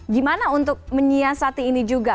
gimana untuk menyiasati ini juga